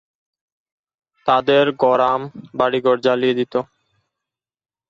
তাদের গড়াম, বাড়িঘর জ্বালিয়ে দিত।